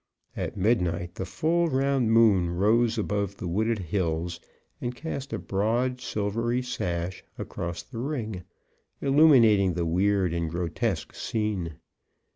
At midnight the full, round moon rose above the wooded hills, and cast a broad, silvery sash across the ring, illuminating the weird and grotesque scene.